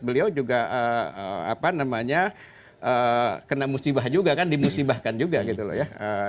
beliau juga kena musibah juga kan dimusibahkan juga gitu loh ya